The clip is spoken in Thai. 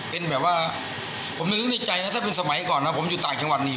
เป็นแบบว่าผมนึกในใจนะถ้าเป็นสมัยก่อนนะผมอยู่ต่างจังหวัดนี่